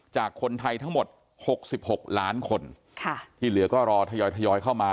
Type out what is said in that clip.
จากคนไทยทั้งหมด๖๖ล้านคนที่เหลือก็รอทยอยทยอยเข้ามา